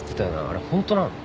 あれ本当なの？